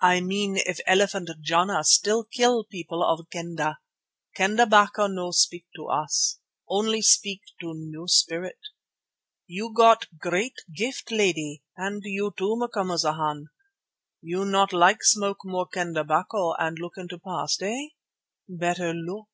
I mean if elephant Jana still kill people of Kendah. Kendah 'bacco no speak to us. Only speak to new spirit. You got great gift, lady, and you too, Macumazana. You not like smoke more Kendah 'bacco and look into past, eh? Better look!